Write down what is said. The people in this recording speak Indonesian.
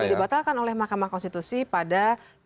sudah dibatalkan oleh mahkamah konstitusi pada dua ribu enam